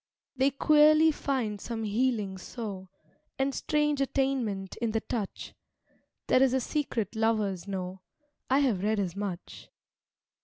They queerly find some healing so, And strange attainment in the touch; There is a secret lovers know, I have read as much.